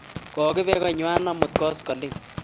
Kokipe kong'wan amut koskoling'